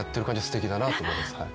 すてきだなと思います。